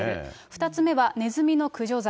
２つ目はネズミの駆除剤。